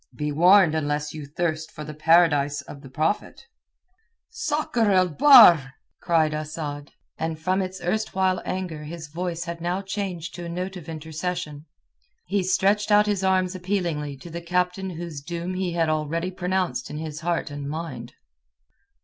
Be warned unless you thirst for the Paradise of the Prophet." "Sakr el Bahr!" cried Asad, and from its erstwhile anger his voice had now changed to a note of intercession. He stretched out his arms appealingly to the captain whose doom he had already pronounced in his heart and mind.